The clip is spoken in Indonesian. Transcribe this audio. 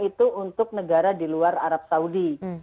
itu untuk negara di luar arab saudi